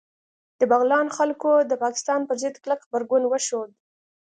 د بغلان خلکو د پاکستان پر ضد کلک غبرګون وښود